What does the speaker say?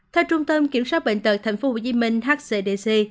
theo trung tâm kiểm soát bệnh tật thành phố hồ chí minh hcdc